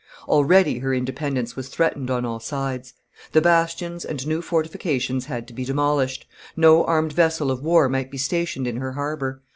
Already her independence was threatened on all sides; the bastions and new fortifications had to be demolished; no armed vessel of war might be stationed in her harbor.